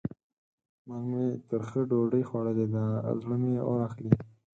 نن مې ترخه ډوډۍ خوړلې ده؛ زړه مې اور اخلي.